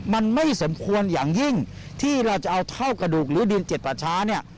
มันไม่สมควรอย่างยิ่งที่เราจะเอาเท่ากระดูกหรือดินเจ็ดป่าช้าเนี่ย